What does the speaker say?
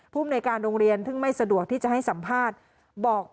ภูมิในการโรงเรียนซึ่งไม่สะดวกที่จะให้สัมภาษณ์บอก